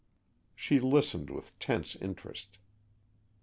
She listened with tense interest.